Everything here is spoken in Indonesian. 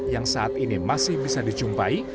yang saat ini masih bisa dijumpai